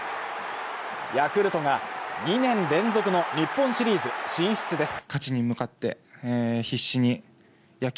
ヤクルトが２年連続の日本シリーズ進出です。